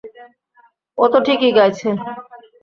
ওতো ঠিকই গাইছে।